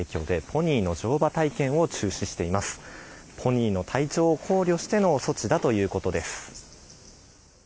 ポニーの体調を考慮しての措置だということです。